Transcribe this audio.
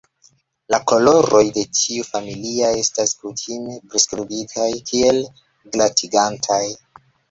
La koloroj de tiu familia estas kutime priskribitaj kiel "glatigantaj".